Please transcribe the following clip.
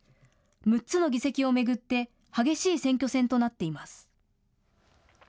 ６つの議席を巡って激しい選挙戦となっています。